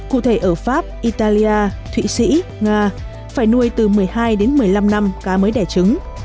cụ thể ở pháp italia thụy sĩ nga phải nuôi từ một mươi hai đến một mươi năm năm cá mới đẻ trứng